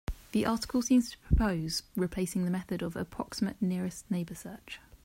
The article seems to propose replacing the method of approximate nearest neighbor search.